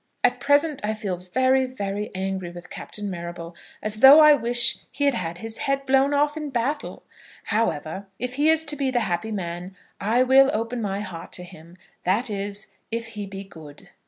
At present I feel very, very angry with Captain Marrable; as though I wish he had had his head blown off in battle. However, if he is to be the happy man, I will open my heart to him; that is, if he be good.